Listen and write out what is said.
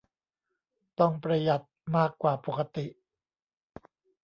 ต้องประหยัดมากกว่าปกติ